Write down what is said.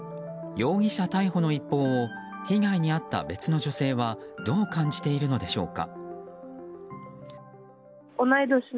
容疑者逮捕の一報を被害に遭った別の女性はどう感じているのでしょうか。